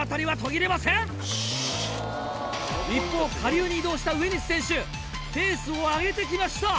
一方下流に移動した上西選手ペースを上げてきました！